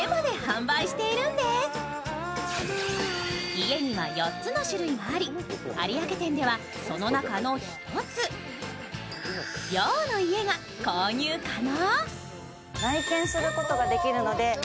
家には４つの種類があり、有明店ではその中の１つ、陽の家が購入可能。